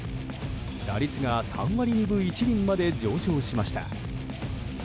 打率が３割２分１厘まで上昇しました。